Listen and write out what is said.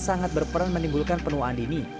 sangat berperan menimbulkan penuaan dini